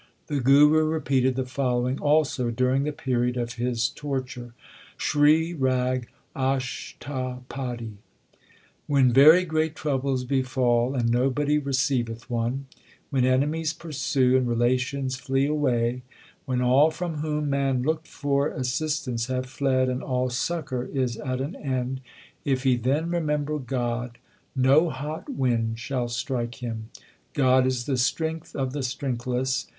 The Guru repeated the following also during the period of his torture : SRI RAG ASHTAPADI When very great troubles befall, and nobody receiveth one ; When enemies pursue, and relations flee away ; When all from whom man looked for assistance have fled, and all succour is at an end, If he then remember God, no hot wind shall strike him. God is the strength of the strengthless.